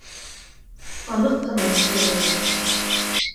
— Аныҡ ҡына иҫләмәйем.